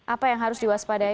apa yang harus diwaspadai